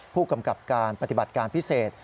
ผู้กำกับการปฏิบัติการพิเศษ